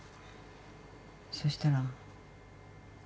そしたら。